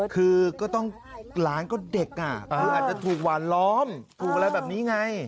คือก็ต้องหลานก็เด็กคืออาจจะถูกหวานล้อมถูกอะไรแบบนี้ไง